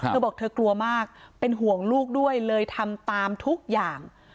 เธอบอกเธอกลัวมากเป็นห่วงลูกด้วยเลยทำตามทุกอย่าง